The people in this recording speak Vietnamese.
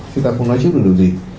chúng ta không nói trước được được gì